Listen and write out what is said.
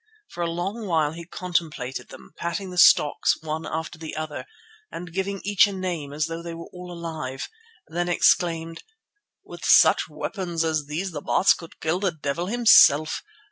For a long while he contemplated them, patting the stocks one after the other and giving to each a name as though they were all alive, then exclaimed: "With such weapons as these the Baas could kill the devil himself.